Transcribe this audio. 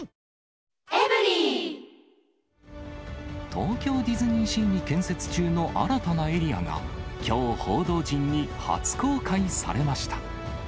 東京ディズニーシーに建設中の新たなエリアが、きょう、報道陣に初公開されました。